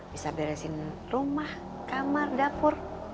bisa beresin rumah kamar dapur